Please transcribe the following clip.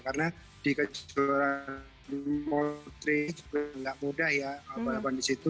karena di kejuaraan kontri juga gak mudah ya balapan disitu